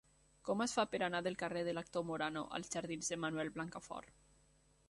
Com es fa per anar del carrer de l'Actor Morano als jardins de Manuel Blancafort?